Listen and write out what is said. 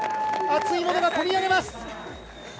熱いものが込み上げます。